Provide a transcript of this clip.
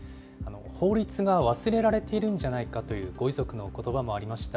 法律が忘れられているんじゃないかというご遺族のことばもありました。